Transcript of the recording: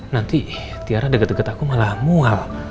nanti tiara deket deket aku malah mual